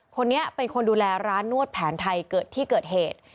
คนนี้เป็นคนดูแลร้านนวดแผนไทยที่เกิดเหตุ